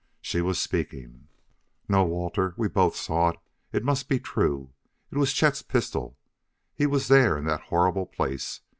She was speaking: "No, Walter; we both saw it; it must be true. It was Chet's pistol; he was there in that horrible place.